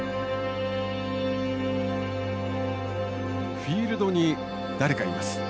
フィールドに誰かいます。